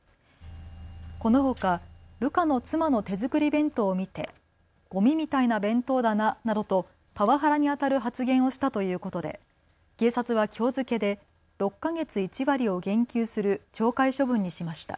このほか部下の妻の手作り弁当を見てごみみたいな弁当だななどとパワハラに当たる発言をしたということで警察はきょう付けで６か月１割を減給する懲戒処分にしました。